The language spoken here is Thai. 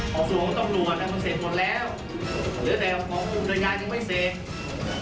ของส่วนของตำรวจน่ะมันเสร็จหมดแล้วหรือแต่ของอุทยานยังไม่เสร็จ